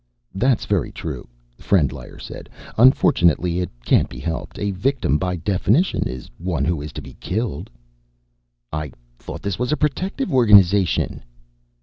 "That's very true," Frendlyer said. "Unfortunately, it can't be helped. A victim, by definition, is one who is to be killed." "I thought this was a protective organization."